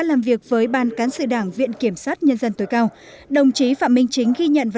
làm việc với ban cán sự đảng viện kiểm sát nhân dân tối cao đồng chí phạm minh chính ghi nhận và